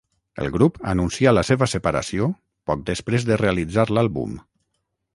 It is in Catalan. El grup anuncià la seva separació poc després de realitzar l'àlbum.